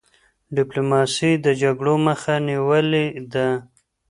ډيپلوماسی د جګړو مخه نیولي ده.